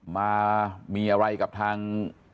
มามีอะไรกับทาง